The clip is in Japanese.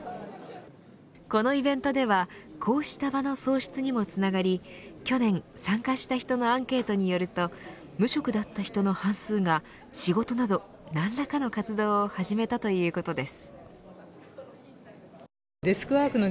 このイベントではこうした場の創出にもつながり去年参加したのアンケートによると無職だった人の半数が仕事など何らかの活動を始めたということです。